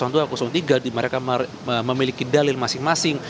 dimana mereka memiliki dalil masing masing